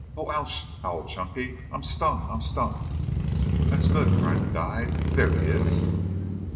"Ou ouch!" howled Chunky. "I'm stung! I'm stung!" "That's good," cried the guide. "There he is!"